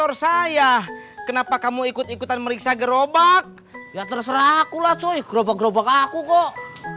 motor saya kenapa kamu ikut ikutan meriksa gerobak ya terserah aku lah soal gerobak gerobak aku kok